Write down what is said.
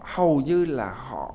hầu như là họ